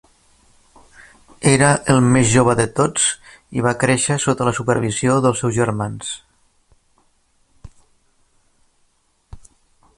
Era el més jove de tots, i va créixer sota la supervisió dels seus germans.